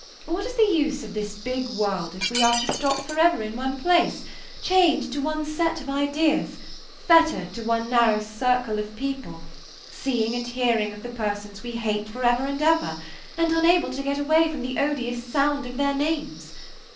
What is the use of this big world if we are to stop for ever in one place, chained to one set of ideas, fettered to one narrow circle of people, seeing and hearing of the persons we hate for ever and ever, and unable to get away from the odious sound of their names?